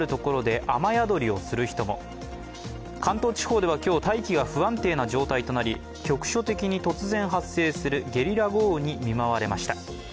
関東地方では今日、大気が不安定な状態となり局所的に突然発生するゲリラ豪雨に見舞われました。